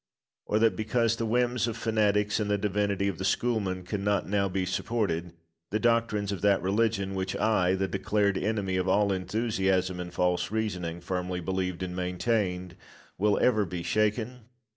Or that, because the whims of fanatics and the divinity of the schoolmen cannot now be supported, the doctrines of that religion which I, the declared enemy of all enthusiasm and false reasoning, firmly believed and maintained, will ever be shaken?